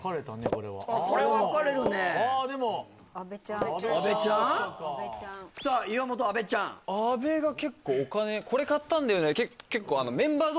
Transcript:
これはこれ分かれるねああでも阿部ちゃんさあ岩本阿部ちゃん阿部が結構お金「これ買ったんだよね」